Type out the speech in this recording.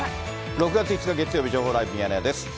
６月５日月曜日、情報ライブミヤネ屋です。